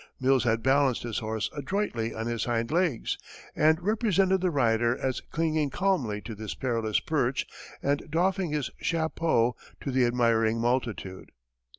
Mills had balanced his horse adroitly on his hind legs, and represented the rider as clinging calmly to this perilous perch and doffing his chapeau to the admiring multitude.